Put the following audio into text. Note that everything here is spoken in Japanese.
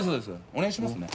お願いしますね